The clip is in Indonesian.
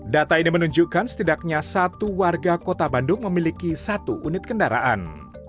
data ini menunjukkan setidaknya satu warga kota bandung memiliki satu unit kendaraan